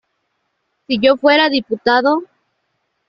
Si yo fuera diputado...